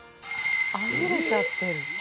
あふれちゃってる。